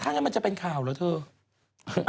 ถ้างั้นมันจะเป็นข่าวเหรอเธอ